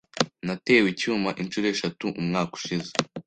Natewe icyuma inshuro eshatu umwaka ushize.